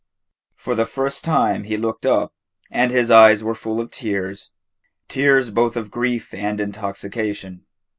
For the first time he looked up, and his eyes were full of tears tears both of grief and intoxication.